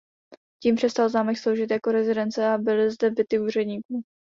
Tím přestal zámek sloužit jako rezidence a byly zde byty úředníků.